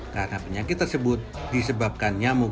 karena penyakit tersebut disebabkan nyamuk